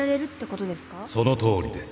そのとおりです。